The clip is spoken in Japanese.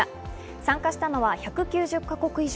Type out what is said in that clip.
参加したのは１９０か国以上。